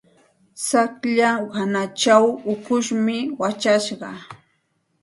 Tsaqlla hanachaw ukushmi wachashqa.